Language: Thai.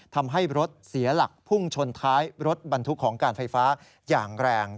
ทำให้รถเสียหลักพุ่งชนท้ายรถบรรทุกของการไฟฟ้าอย่างแรง